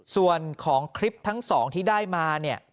ส่วนของคลิปทั้งสองที่ได้มาเนี่ย